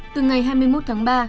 từ ngày hai mươi một tháng ba